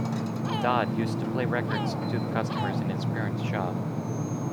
Dodd used to play records to the customers in his parents' shop.